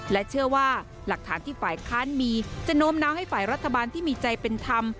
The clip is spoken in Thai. และเชื่อว่าหลักฐานที่ฝ่ายค้านมีจะโน้มน้าวให้ฝ่ายรัฐบาลที่มีใจเป็นธรรม